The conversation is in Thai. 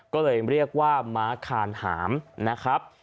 ก็เลยเรียกว่าม้าคานหามนะครับ